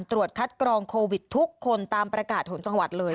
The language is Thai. ตรวจคัดกรองโควิดทุกคนตามประกาศของจังหวัดเลย